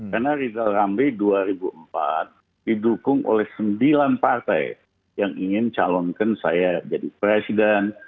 karena rizal ramli dua ribu empat didukung oleh sembilan partai yang ingin calonkan saya jadi presiden